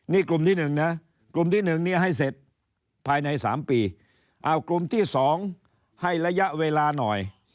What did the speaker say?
นี่กลุ่มที่๑นะกลุ่มที่๑เนี่ยให้เสร็จภายใน๓ปีเอากลุ่มที่๒ให้ระยะเวลาหน่อย